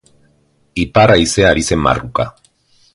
Ipar haizea ari zen marruka.